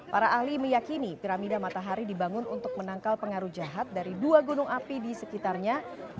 para ahli meyakini piramida matahari dibangun untuk menangkal pengaruh jahat dari dua gunung api di sekitarnya